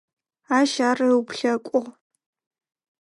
Ащ ар ыуплъэкӏугъ.